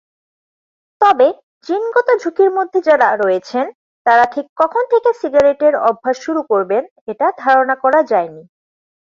তবে জিনগত ঝুঁকির মধ্যে যারা রয়েছেন, তারা ঠিক কখন থেকে সিগারেটের অভ্যাস শুরু করবেন এটা ধারণা করা যায়নি।